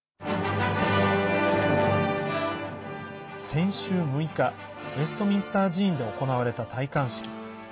先週６日ウェストミンスター寺院で行われた戴冠式。